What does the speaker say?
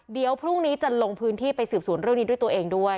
เดี๋ยวพรุ่งนี้จะลงพื้นที่ไปสืบสวนเรื่องนี้ด้วยตัวเองด้วย